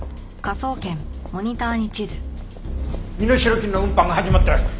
身代金の運搬が始まったよ。